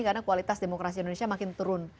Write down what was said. karena kualitas demokrasi indonesia makin turun